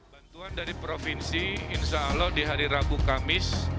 bantuan dari provinsi insya allah di hari rabu kamis